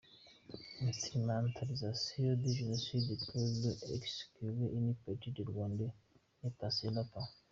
L’instrumentalisation du génocide pour exclure une partie des Rwandais ne passera pas.